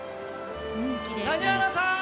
谷原さん！